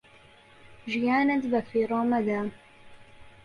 ژیانت بە فیڕۆ مەدە